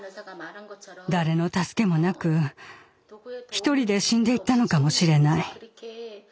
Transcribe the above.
誰の助けもなく一人で死んでいったのかもしれない。